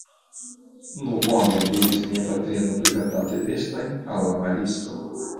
Nu bone! diris mia patrino, prezentante vestojn al la maristo.